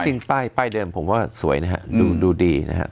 จริงป้ายเดิมผมว่าสวยนะฮะดูดีนะครับ